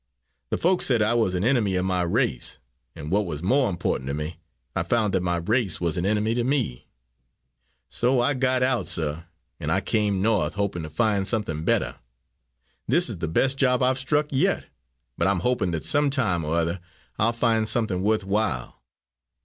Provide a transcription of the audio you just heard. The folks said I was an enemy of my race, and, what was more important to me, I found that my race was an enemy to me. So I got out, suh, and I came No'th, hoping to find somethin' better. This is the best job I've struck yet, but I'm hoping that sometime or other I'll find something worth while."